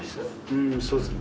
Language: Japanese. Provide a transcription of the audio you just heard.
うんそうっすね